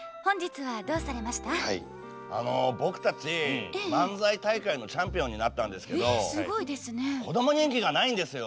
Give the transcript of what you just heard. あの僕たち漫才大会のチャンピオンになったんですけどこども人気がないんですよ。